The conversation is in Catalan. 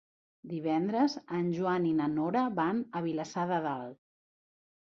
Divendres en Joan i na Nora van a Vilassar de Dalt.